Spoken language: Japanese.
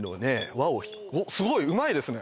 輪をおっすごいうまいですね